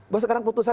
bahwa sekarang putusan